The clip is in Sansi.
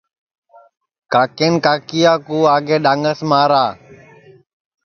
کاکین کاکِیا کُو آگے ڈؔانگاس مارا